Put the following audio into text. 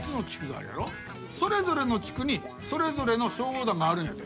それぞれの地区にそれぞれの消防団があるんやて。